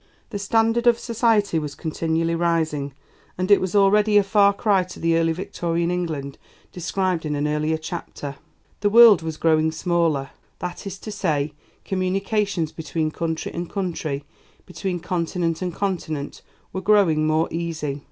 The standard of society was continually rising, and it was already a far cry to the Early Victorian England described in an earlier chapter. The world was growing smaller that is to say, communications between country and country, between continent and continent, were growing more easy.